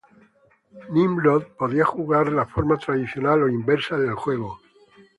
Nimrod podía jugar la forma tradicional o "inversa" del juego.